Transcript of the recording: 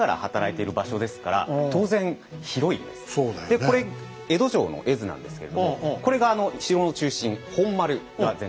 でこれ江戸城の絵図なんですけれどもこれがあの城の中心「本丸」が全体です。